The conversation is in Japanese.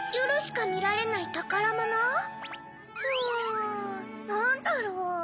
うんなんだろう？